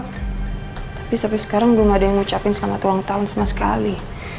tapi sampai sekarang belum ada yang ngucapin selamat ulang tahun sama sekali